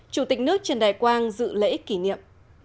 chủ tịch nước trần đại quang dự lễ kỷ niệm